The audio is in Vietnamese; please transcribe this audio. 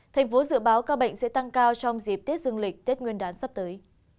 thành phố dự báo ca bệnh sẽ tăng cao trong dịp tết dương lịch tết nguyên đán sắp tới